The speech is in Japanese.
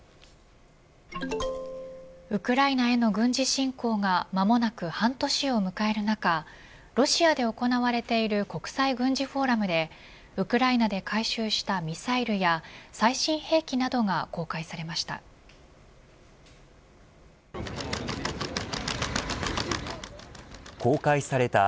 ウクライナ兵の軍事侵攻が間もなく半年を迎える中ロシアで行われている国際軍事フォーラムでウクライナで回収したミサイルや最新兵器などが公開されました。